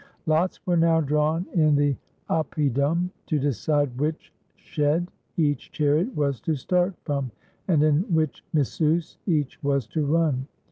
Lots were now drawn in the oppidum to decide which shed each chariot was to start from, and in which missus each was to run.